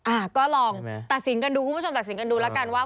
อ่าก็ลองตัดสินกันดูคุณผู้ชมตัดสินกันดูแล้วกันว่า